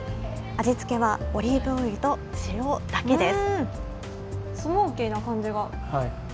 味付けはオリーブオイルと塩だけです。